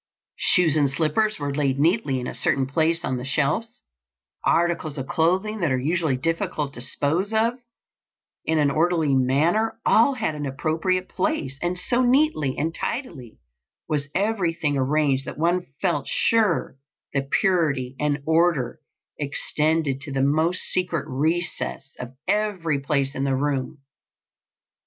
Shoes and slippers were laid neatly in a certain place on the shelves; articles of clothing that are usually difficult to dispose of in an orderly manner, all had an appropriate place, and so neatly and tidily was everything arranged that one felt sure the purity and order extended to the most secret recesses of every place in the room.